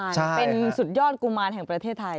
ใช่เป็นสุดยอดกุมารแห่งประเทศไทย